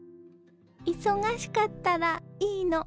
忙しかったらいいの。